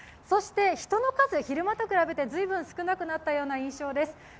人の数、昼間と比べて随分少なくなった印象です。